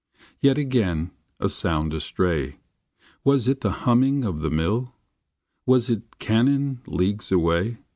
Yet again, a sound astray, Was it the humming of the mill? Was it cannon leagues away